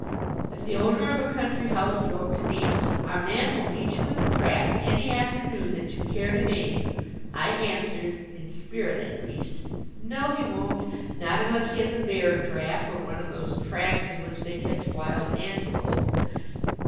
If the owner of a country house wrote to me: "Our man will meet you with a trap any afternoon that you care to name," I answered, in spirit at least: "No, he won't, not unless he has a bear trap or one of those traps in which they catch wild antelope."